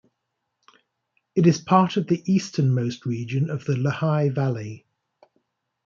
It is part of the easternmost region of the Lehigh Valley.